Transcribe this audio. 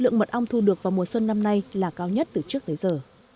lượng mật ong thu được vào mùa xuân năm nay là cao nhất từ trước tới giờ